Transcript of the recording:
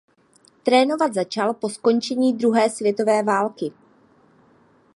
Trénovat začal po skončení druhé světové války.